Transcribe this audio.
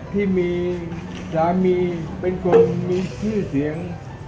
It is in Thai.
ที่มีสามีเป็นคนมีชื่อเสียง